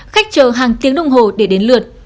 khách chờ hàng tiếng đồng hồ để đến lưu